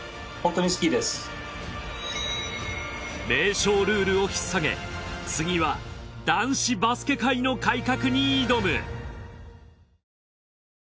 名将ルールをひっさげ次は男子バスケ界の改革に挑む！